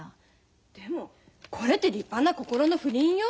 でもこれって立派な心の不倫よ。